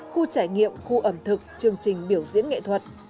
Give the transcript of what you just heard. khu trải nghiệm khu ẩm thực chương trình biểu diễn nghệ thuật